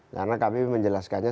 karena kami menjelaskannya